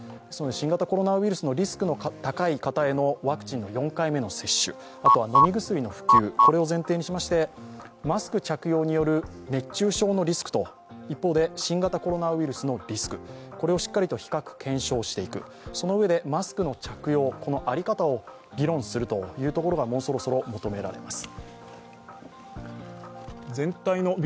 新型コロナウイルスのリスクの高い方へのワクチンの４回目接種、あとは飲み薬の普及を前提にしましてマスク着用による熱中症のリスクと一方で新型コロナウイルスのリスク、これをしっかりと比較検証していくそのうえでマスクの着用の在り方を議論するところがもうそろそろ求められます。